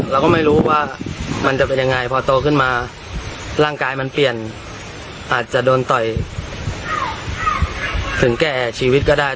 เราก็ไม่รู้ว่ามันจะเป็นยังไงพอโตขึ้นมาร่างกายมันเปลี่ยนอาจจะโดนต่อยถึงแก่ชีวิตก็ได้